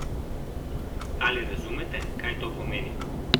Ali razumete, kaj to pomeni?